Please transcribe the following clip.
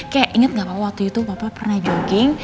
kayak inget gak papa waktu itu papa pernah jogging